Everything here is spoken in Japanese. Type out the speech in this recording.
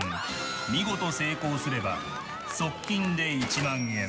見事成功すれば即金で１万円。